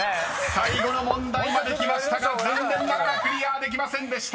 ［最後の問題まで来ましたが残念ながらクリアできませんでした］